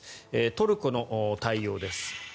トルコの対応です。